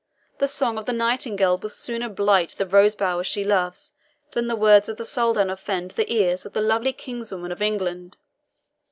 The song of the nightingale will sooner blight the rose bower she loves than will the words of the Soldan offend the ears of the lovely kinswoman of England."